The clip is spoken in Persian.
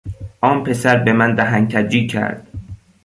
آن پسر به من دهن کجی کرد.